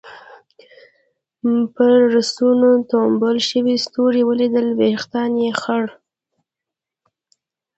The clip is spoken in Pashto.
پر لستوڼو ټومبل شوي ستوري ولیدل، وېښتان یې خړ.